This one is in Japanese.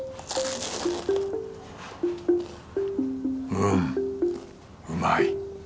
うんうまい。